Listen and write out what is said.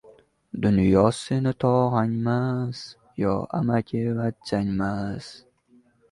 Koronavirus karantinidan so‘ng fuqarolar uyiga kuzatildi